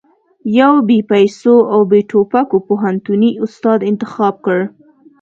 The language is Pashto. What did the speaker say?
يو بې پيسو او بې ټوپکو پوهنتوني استاد انتخاب کړ.